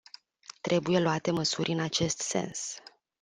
Trebuie luate măsuri în acest sens.